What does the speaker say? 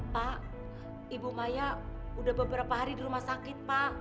pak ibu maya sudah beberapa hari di rumah sakit pak